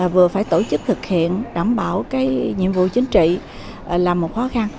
vừa phải tổ chức thực hiện đảm bảo nhiệm vụ chính trị là một khó khăn